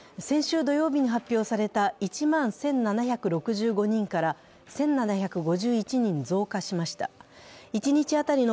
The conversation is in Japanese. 先週土曜日に発表された１万１７６５人から１７５１人増加しました。